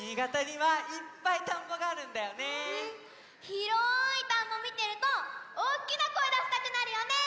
ひろいたんぼみてるとおおきなこえだしたくなるよね！